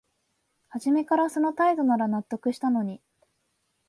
はじめからその態度なら納得したのに